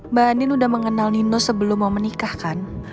mbak andin udah mengenal nino sebelum mau menikah kan